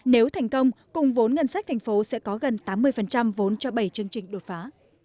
nếu thành công cùng vốn ngân sách thành phố sẽ có gần tám mươi vốn cho bảy chương trình đột phá